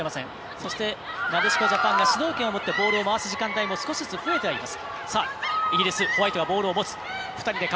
そして、なでしこジャパンが主導権を持ってボールを回す時間帯も少しずつ増えてはいます。